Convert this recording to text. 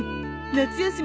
夏休み